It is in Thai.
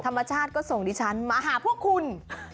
ธรรมชาติก็ส่งดิฉันมาหาพวกคุณ